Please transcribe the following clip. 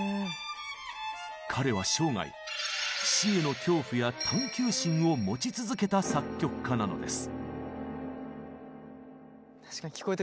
彼は生涯「死」への恐怖や探求心を持ち続けた作曲家なのです。